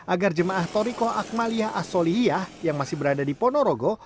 agar jemaah torikoh akmaliyah asolihiyah yang masih berada di ponorogo